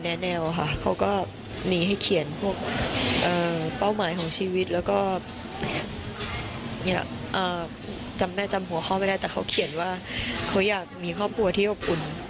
แม่เชื่อว่าใครทำอะไรก็ได้อย่างนั้น